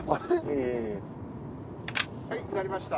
はい上がりました。